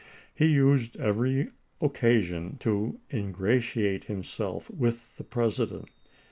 He used every occasion to ingratiate himself with the President.